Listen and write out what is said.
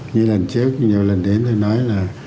như lần trước nhiều lần đến tôi nói là